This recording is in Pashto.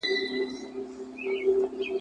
د هغه د لوربيني اداينه ورکوي